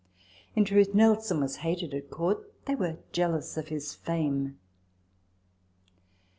In truth, Nelson was hated at Court ; they were jealous of his fame.